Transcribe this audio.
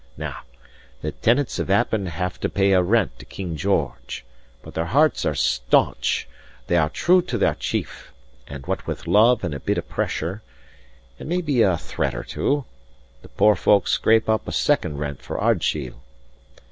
Now, the tenants of Appin have to pay a rent to King George; but their hearts are staunch, they are true to their chief; and what with love and a bit of pressure, and maybe a threat or two, the poor folk scrape up a second rent for Ardshiel.